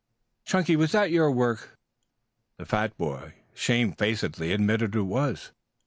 "Chunky, was that your work?" The fat boy shamefacedly admitted it was.